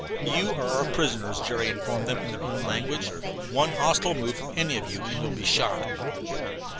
"You are our prisoners," Jerry informed them, in their own language. "One hostile move from any one of you and you will be shot."